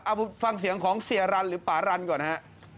เอาฟังเสียงของเสียรันหรือป่ารันก่อนฮะ